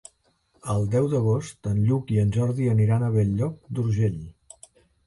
El deu d'agost en Lluc i en Jordi aniran a Bell-lloc d'Urgell.